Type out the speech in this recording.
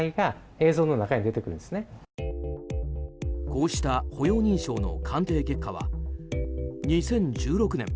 こうした歩容認証の鑑定結果は２０１６年